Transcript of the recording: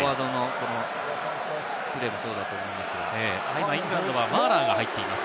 今イングランドはマーラーが入っています。